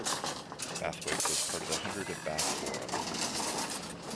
Bathwick was part of the hundred of Bath Forum.